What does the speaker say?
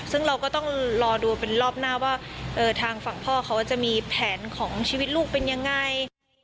ซึ่งเราก็ต้องรอดูเป็นรอบหน้าว่าทางฝั่งพ่อเขาจะมีแผนของชีวิตลูกเป็นยังไง